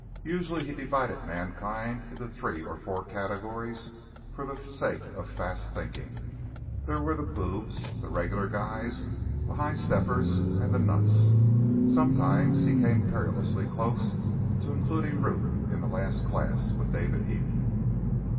Usually he divided mankind into three or four categories for the sake of fast thinking. There were the "boobs," the "regular guys," the "high steppers," and the "nuts." Sometimes he came perilously close to including Ruth in the last class with David Eden.